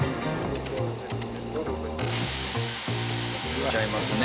行っちゃいますね。